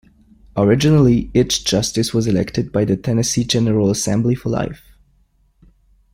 Originally, each justice was elected by the Tennessee General Assembly for life.